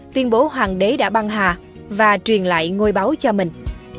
tuyên bố hoàng đế đã băng hà và truyền lại ngôi báu cho mình